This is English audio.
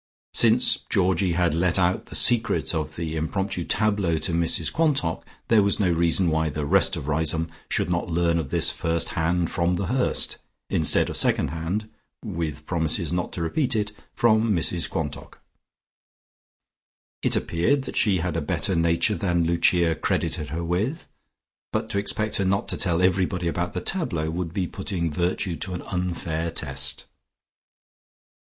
Since Georgie had let out the secret of the impromptu tableaux to Mrs Quantock there was no reason why the rest of Riseholme should not learn of this firsthand from The Hurst, instead of second hand (with promises not to repeat it) from Mrs Quantock. It appeared that she had a better nature than Lucia credited her with, but to expect her not to tell everybody about the tableaux would be putting virtue to an unfair test.